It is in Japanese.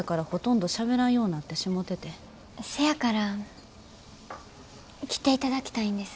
せやから来ていただきたいんです。